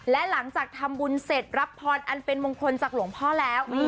และหลังจากทำบุญเสร็จรับพรอันเป็นมงคลจากหลวงพ่อแล้ว